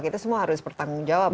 kita semua harus bertanggung jawab